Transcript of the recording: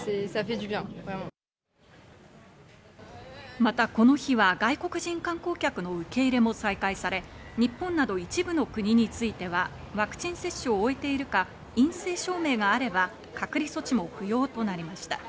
またこの日は、外国人観光客の受け入れも再開され、日本など一部の国についてはワクチン接種を終えているか、陰性証明があれば隔離装置も不要となりました。